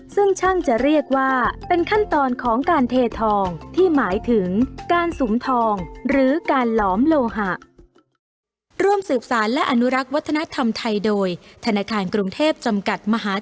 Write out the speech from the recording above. ซึ่งช่างจะเรียกว่าเป็นขั้นตอนของการเททองที่หมายถึงการสุมทองหรือการหลอมโลหะ